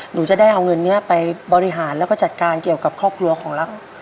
หนูจะได้เอาเงินนี้ไปบริหารแล้วก็จัดการเกี่ยวกับครอบครัวของรัก